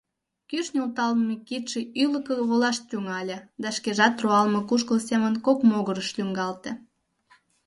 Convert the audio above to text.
Кӱш нӧлталме кидше ӱлыкӧ волаш тӱҥале да шкежат руалме кушкыл семын кок могырыш лӱҥгалте.